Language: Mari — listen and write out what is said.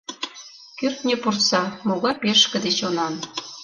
Кӱртньӧ пурса, могай пешкыде чонан!